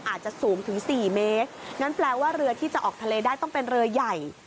อาจจะสูงถึงสี่เมตรงั้นแปลว่าเรือที่จะออกทะเลได้ต้องเป็นเรือใหญ่